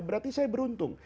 berarti saya beruntung